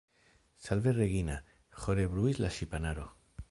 « Salve Regina » ĥore bruis la ŝipanaro.